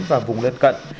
và vùng gần cận